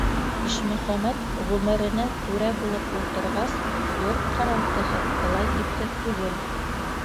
Ишмөхәмәт ғүмеренә түрә булып ултырғас, йорт-ҡаралтыһы былай ипһеҙ түгел.